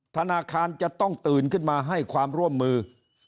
ธนาคารจะต้องตื่นขึ้นมาให้ความร่วมมือ